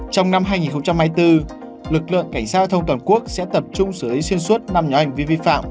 trong năm hai nghìn hai mươi bốn lực lượng cảnh sát giao thông toàn quốc sẽ tập trung xử lý xuyên suốt năm nhóm hành vi vi phạm